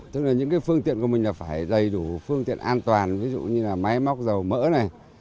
tức là những cái phương tiện của mình là phải đầy đủ phương tiện an toàn ví dụ như là máy móc dầu mỡ này